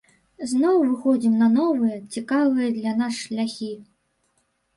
Зноў выходзім на новыя, цікавыя для нас шляхі.